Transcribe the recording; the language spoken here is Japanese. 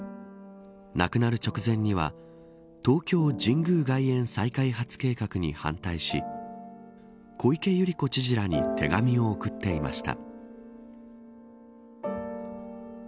亡くなる直前には東京神宮外苑再開発計画に反対し小池百合子知事らに手紙を送っていました。